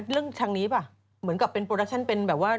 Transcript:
ทางนี้ป่ะเหมือนกับเป็นโปรดักชั่นเป็นแบบว่า